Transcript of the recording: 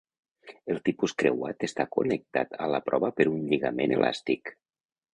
El tipus creuat està connectat a la prova per un lligament elàstic.